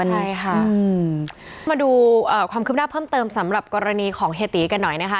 ใช่ค่ะมาดูความคืบหน้าเพิ่มเติมสำหรับกรณีของเฮียตีกันหน่อยนะคะ